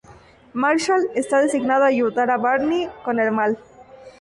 Marshall está designado a ayudar a Barney con el mal.